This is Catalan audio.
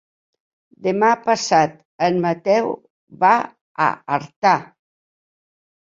Demà passat en Mateu va a Artà.